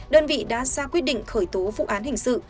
đơn vị đã ra quyết định khởi tố vụ án hình sự